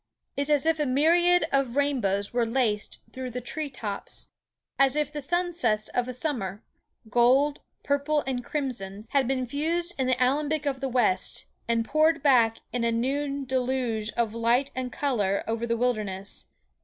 "It is as if a myriad of rainbows were laced through the tree tops—as if the sunsets of a summer—gold, purple, and crimson—had been fused in the alembic of the west, and poured back in a new deluge of light and colour over the wilderness.